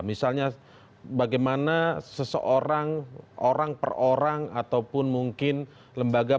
misalnya bagaimana seseorang orang per orang ataupun mungkin lembaga per lembaga akan menanggung anda